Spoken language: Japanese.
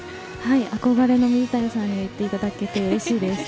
憧れの水谷さんに言っていただけてうれしいです。